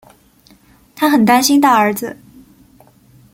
她很担心大儿子